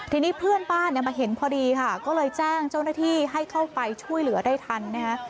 ทีนี้เพื่อนบ้านเนี่ยมาเห็นพอดีค่ะก็เลยแจ้งเจ้าหน้าที่ให้เข้าไปช่วยเหลือได้ทันนะฮะ